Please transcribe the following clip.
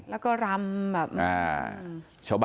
แล้วก็รำแบบ